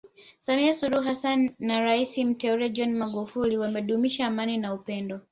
Samia Suluhu Hassan na rais Mteule John Magufuli wamedumisha amani na upendo